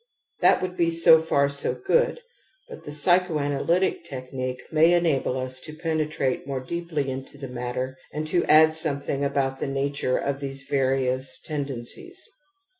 That would be so far so good ; but the psycho analytic technique may enable us to penetrate more deeply into the matter and to add some thing about the nature of these various tenden cies.